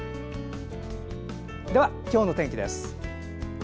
では、今日の天気です。